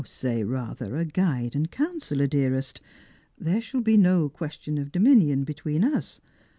" Say, rather, a guide and counsellor, dearest. There shall be no question of dominion between us.